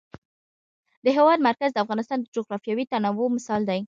د هېواد مرکز د افغانستان د جغرافیوي تنوع مثال دی.